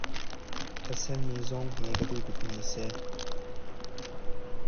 Asen mi zawng hi ka duh bikmi a si .